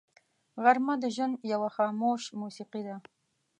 غرمه د ژوند یوه خاموش موسیقي ده